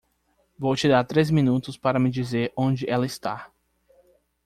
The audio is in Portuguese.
Vou te dar três minutos para me dizer onde ela está.